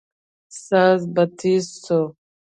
ساز به تېز سو.